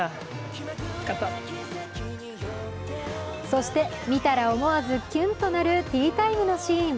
そして、見たら思わずキュンとなるティータイムのシーン。